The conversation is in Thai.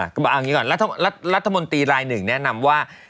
เอาอย่างนี้ก่อนรัฐมนตรีราย๑แนะนำว่า